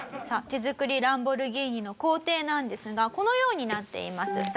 さあ手作りランボルギーニの工程なんですがこのようになっています。